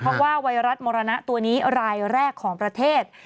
เพราะว่าไวรัสมรณะตัวนี้รายแรกของประเทศ